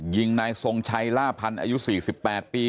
ยิงนายทรงชัยล่าพันธ์อายุ๔๘ปี